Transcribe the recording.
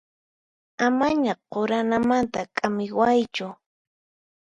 Amaña quranamanta k'amiwaychu.